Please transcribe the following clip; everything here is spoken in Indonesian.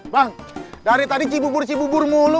bang dari tadi cibubur cibubur mulu